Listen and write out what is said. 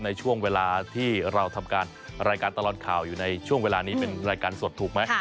ในช่วงเวลาที่เราทำการรายการตลอดข่าวอยู่ในช่วงเวลานี้เป็นรายการสดถูกไหม